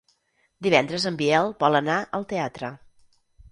Divendres en Biel vol anar al teatre.